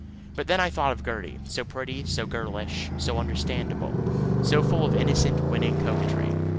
But then I thought of Gertie, so pretty, so girlish, so understandable, so full of innocent winning coquetry.